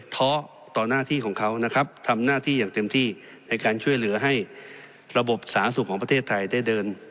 สถานการณ์ที่ไม่ปกติ